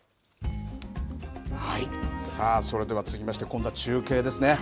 さあ、それでは続きまして、今度は中継ですね。